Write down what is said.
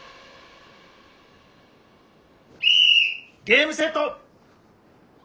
ゲームセット！